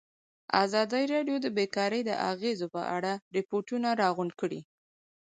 ازادي راډیو د بیکاري د اغېزو په اړه ریپوټونه راغونډ کړي.